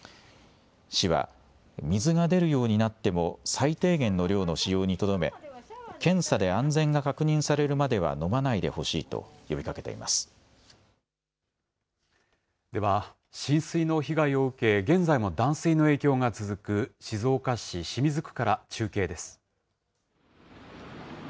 市は、水が出るようになっても、最低限の量の使用にとどめ、検査で安全が確認されるまでは飲まないでほしいと呼びかけていまでは、浸水の被害を受け、現在も断水の影響が続く静岡市清水区から中継です。